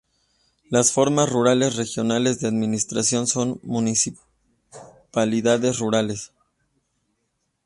Las formas rurales regionales de administración son municipalidades rurales.